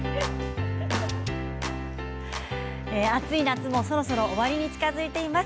暑い夏もそろそろ終わりに近づいています。